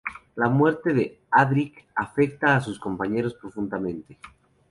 La muerte de Adric afecta a sus compañeros profundamente.